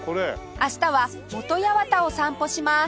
明日は本八幡を散歩します